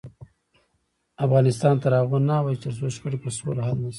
افغانستان تر هغو نه ابادیږي، ترڅو شخړې په سوله حل نشي.